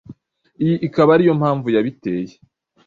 iyi ikaba ariyo mpamvu yabiteye